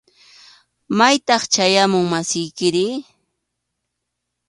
¿Maytaq chay amu masiykiri?